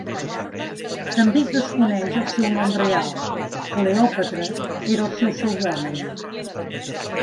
També es desconeix el seu nom real, Cleòpatra era el seu pseudònim.